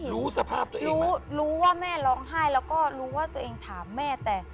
รู้ว่าแม่ร้องไห้แล้วก็รู้ว่าตัวเองถามแม่